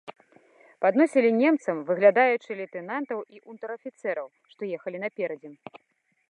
Падносілі немцам, выглядаючы лейтэнантаў і унтэр-афіцэраў, што ехалі наперадзе.